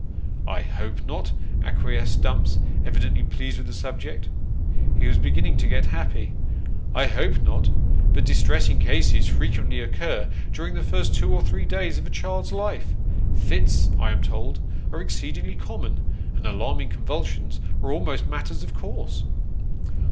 " I hope not," acquiesced Dumps, evidently pleased with the subject. He was beginning to get happy. " I hope not, but distressing cases Dumps and Nep/tew, 357 frequently occur during the first two or three days of a child's life ; fits, I am told, are exceedingly common, and alarming convulsions are almost matters of course."